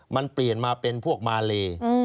มันเปลี่ยนมาเป็นพวกมาเล